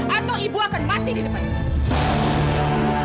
atau ibu akan mati di depan